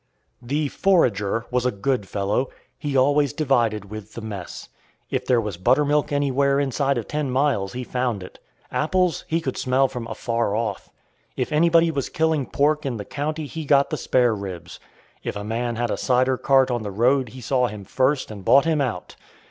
The Forager was a good fellow. He always divided with the mess. If there was buttermilk anywhere inside of ten miles he found it. Apples he could smell from afar off. If anybody was killing pork in the county he got the spare ribs. If a man had a cider cart on the road he saw him first and bought him out.